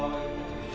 saya tidak tahu